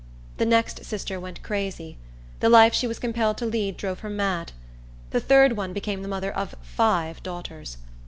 The next sister went crazy. The life she was compelled to lead drove her mad. The third one became the mother of five daughters.